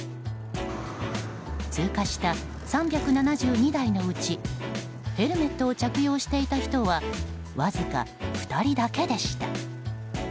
通過した３７２台のうちヘルメットを着用していた人はわずか２人だけでした。